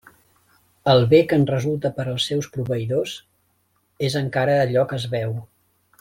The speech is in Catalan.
El bé que en resulta per als seus proveïdors, és encara allò que es veu.